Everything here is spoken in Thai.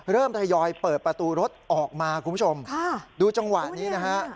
ทยอยเปิดประตูรถออกมาคุณผู้ชมดูจังหวะนี้นะฮะ